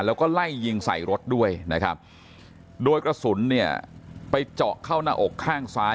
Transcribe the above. แล้วก็ไล่ยิงใส่รถด้วยนะครับโดยกระสุนเนี่ยไปเจาะเข้าหน้าอกข้างซ้าย